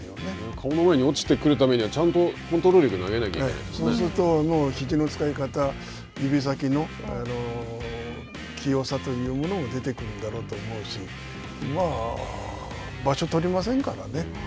顔の上に落ちてくるためには、ちゃんとコントロールよく投げなそうすると、ひじの使い方、指先の器用さというものも出てくるんだろうと思うし、まあ、場所取りませんからね。